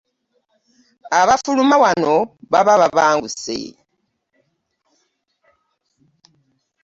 Abafuluma wano baba babanguse?